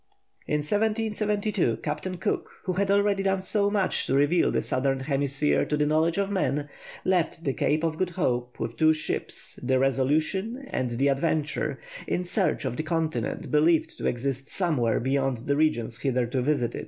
In 1772, Captain Cook, who had already done so much to reveal the southern hemisphere to the knowledge of man, left the Cape of Good Hope with two ships, the Resolution and the Adventure, in search of the continent believed to exist somewhere beyond the regions hitherto visited.